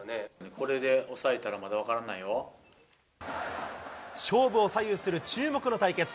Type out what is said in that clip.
これで抑えたら、まだ分から勝負を左右する注目の対決。